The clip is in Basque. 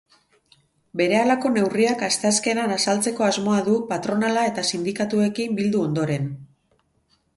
Berehalako neurriak asteazkenean azaltzeko asmoa du, patronala eta sindikatuekin bildu ondoren.